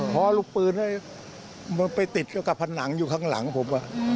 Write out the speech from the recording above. เพราะลูกปืนให้มันไปติดกับผนังอยู่ข้างหลังผม